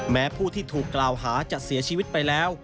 แม้ผู้ที่ถูกกล่าวหาจะเสียชีวิตไปแล้ว